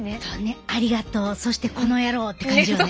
ありがとうそしてこの野郎って感じよね。